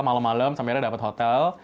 malam malam sampai ada dapat hotel